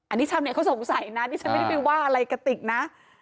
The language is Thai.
อันนี้ชาวเน็ตเขาสงสัยนะดิฉันไม่ได้ไปว่าอะไรกะติกนะ